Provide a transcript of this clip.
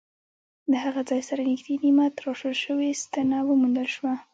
له هغه ځای سره نږدې نیمه تراشل شوې ستنه وموندل شوه.